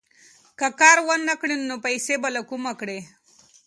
که کار ونه کړې، نو پیسې به له کومه کړې؟